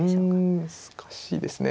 うん難しいですね。